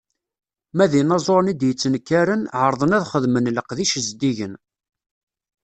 Ma d inaẓuren i d-yettenkaren, ɛerrḍen ad xedmen leqdic zeddigen.